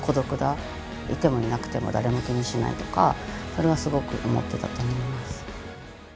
それはすごく思ってたと思います。